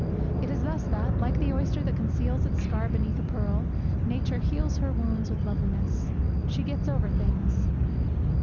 It is thus that, like the oyster that conceals its scar beneath a pearl, Nature heals her wounds with loveliness. She gets over things.